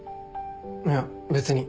いや別に。